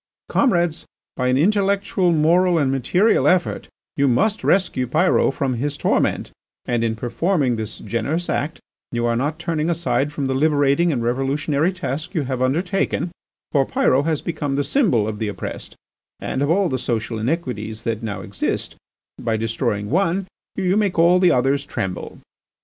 "Comrades, by an intellectual, moral and material effort you must rescue Pyrot from his torment, and in performing this generous act you are not turning aside from the liberating and revolutionary task you have undertaken, for Pyrot his become the symbol of the oppressed and of all the social iniquities that now exist; by destroying one you make all the others tremble."